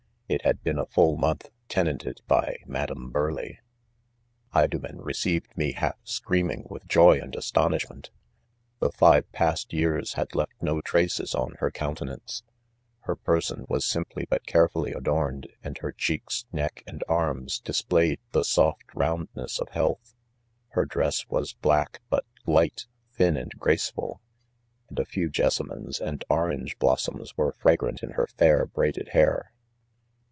It had been" a full naonthj tenanted by Madam Burleigh. Idomen leceived me half screaming with joy and astonishment. The live past years had left no traces on her countenance. Her per«» son was simply but carefully adorned ; and her cheeks, neck, and arms, displayed' the soft roundness of health Her dress was Mack hat light, thin and graceful ; and a few jessamines and orange blossoms were fragrant in 'her fair braided hair.